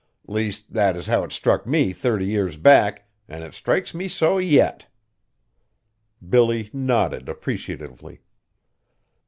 Least, that is how it struck me thirty year back, an' it strikes me so yet." Billy nodded appreciatively.